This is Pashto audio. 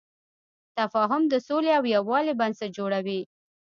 تفاهم د سولې او یووالي بنسټ جوړوي.